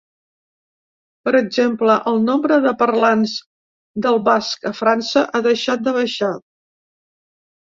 Per exemple, el nombre de parlants del basc a França ha deixat de baixar.